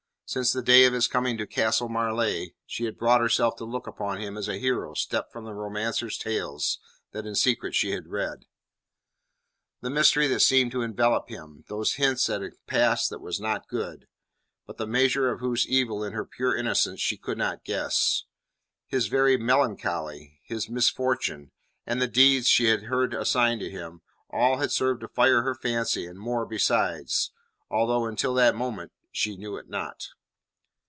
Since the day of his coming to Castle Marleigh she had brought herself to look upon him as a hero stepped from the romancers' tales that in secret she had read. The mystery that seemed to envelop him; those hints at a past that was not good but the measure of whose evil in her pure innocence she could not guess; his very melancholy, his misfortunes, and the deeds she had heard assigned to him, all had served to fire her fancy and more besides, although, until that moment, she knew it not.